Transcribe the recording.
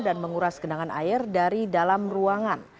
dan menguras genangan air dari dalam ruangan